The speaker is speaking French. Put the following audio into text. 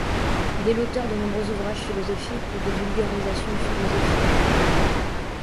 Il est l’auteur de nombreux ouvrages philosophiques ou de vulgarisation philosophique.